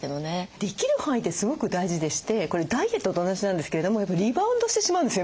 できる範囲ってすごく大事でしてこれダイエットと同じなんですけれどもリバウンドしてしまうんですよ